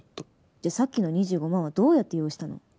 じゃあさっきの２５万はどうやって用意したの？